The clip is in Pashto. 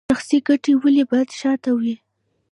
شخصي ګټې ولې باید شاته وي؟